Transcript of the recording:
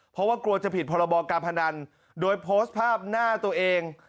เพราะว่ากลัวจะผิดพรบการพนันโดยโพสต์ภาพหน้าตัวเอง